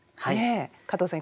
加藤さん